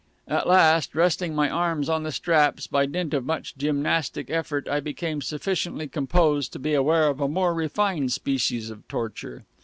At last, resting my arms on the straps, by dint of much gymnastic effort I became sufficiently composed to be aware of a more refined species of torture.